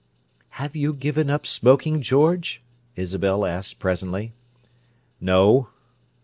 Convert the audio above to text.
"Have you given up smoking, George?" Isabel asked presently. "No."